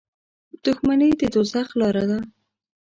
• دښمني د دوزخ لاره ده.